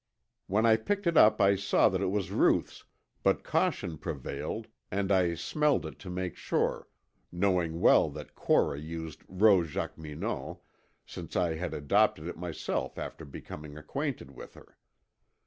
When I picked it up I saw that it was Ruth's, but caution prevailed and I smelled it to make sure, knowing well that Cora used Rose Jacqueminot, since I had adopted it myself after becoming acquainted with her.